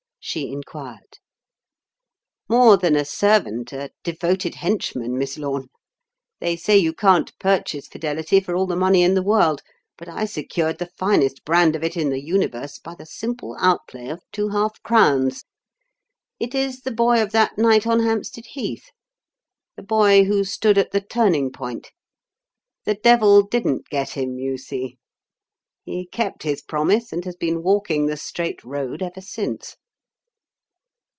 she enquired. "More than a servant a devoted henchman, Miss Lorne. They say you can't purchase fidelity for all the money in the world, but I secured the finest brand of it in the Universe by the simple outlay of two half crowns. It is the boy of that night on Hampstead Heath the boy who stood at the turning point. The Devil didn't get him, you see. He kept his promise and has been walking the straight road ever since."